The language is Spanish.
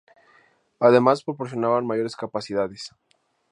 Además proporcionaban mayores capacidades.